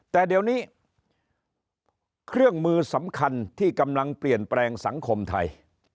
แต่เดี๋ยวนี้เครื่องมือสำคัญที่กำลังเปลี่ยนแปลงสังคมไทย